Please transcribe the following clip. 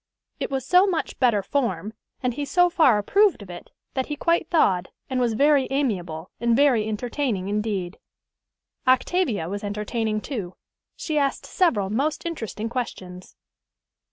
It was so much "better form," and he so far approved of it, that he quite thawed, and was very amiable and very entertaining indeed. Octavia was entertaining too. She asked several most interesting questions.